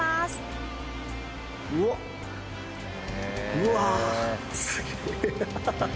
うわすげえ。